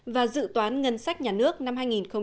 và dự toán ngân sách nhà nước năm hai nghìn một mươi sáu